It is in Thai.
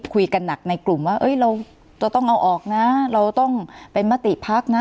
คุยกันหนักในกลุ่มว่าเราจะต้องเอาออกนะเราต้องเป็นมติพักนะ